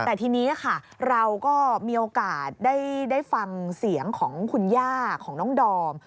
แต่ทีนี้ค่ะเราก็มีโอกาสได้ฟังเสียงของคุณย่าของน้องดอม